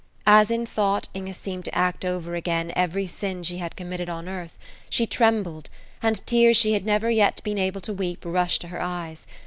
As in thought Inge seemed to act over again every sin she had committed on earth, she trembled, and tears she had never yet been able to weep rushed to her eyes.